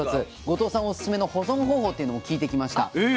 後藤さんおすすめの保存方法っていうのも聞いてきました。